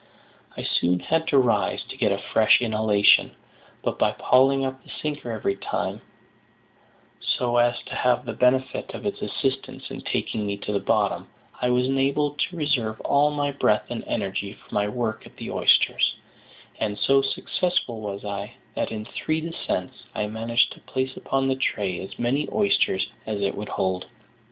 I soon had to rise to get a fresh inhalation; but by hauling up the sinker every time, so as to have the benefit of its assistance in taking me to the bottom, I was enabled to reserve all my breath and energy for my work at the oysters; and so successful was I, that, in three descents, I managed to place upon the tray as many oysters as it would hold.